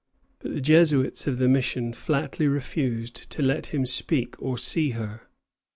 But the Jesuits of the mission flatly refused to let him speak to or see her.